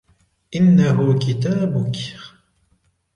إنه كتابك.